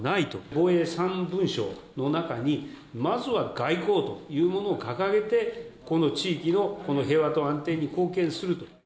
防衛３文書の中に、まずは外交というものを掲げて、この地域の、この平和と安定に貢献すると。